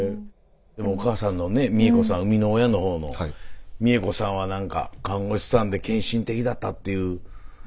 お母さんの美枝子さん産みの親の方の美枝子さんは看護師さんで献身的だったっていう。